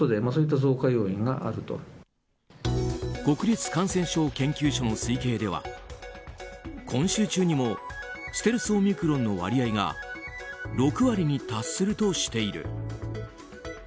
国立感染症研究所の推計では今週中にもステルスオミクロンの割合が６割に達するとしている。